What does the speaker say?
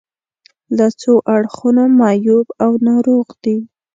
له څو اړخونو معیوب او ناروغ دي.